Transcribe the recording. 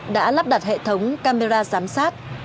đã lắp đặt hệ thống camera giám sát